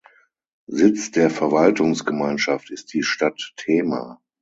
Sitz der Verwaltungsgemeinschaft ist die Stadt Themar.